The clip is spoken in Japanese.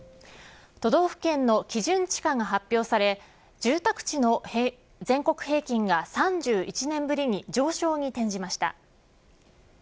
都道府県の基準地価が発表され住宅地の全国平均が３１年ぶりに上昇に転じました。